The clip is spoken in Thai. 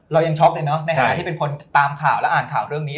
เรายังช็อกเลยเนอะในฐานะที่เป็นคนตามข่าวและอ่านข่าวเรื่องนี้